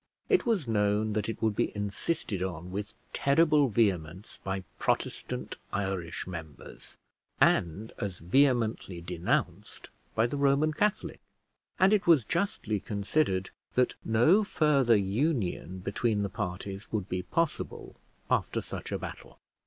It was known that it would be insisted on with terrible vehemence by Protestant Irish members, and as vehemently denounced by the Roman Catholic; and it was justly considered that no further union between the parties would be possible after such a battle.